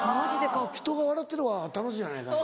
「人が笑ってる方が楽しいやないかい」。